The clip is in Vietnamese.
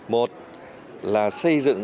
một là xây dựng